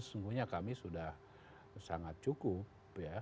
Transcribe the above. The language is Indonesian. sesungguhnya kami sudah sangat cukup ya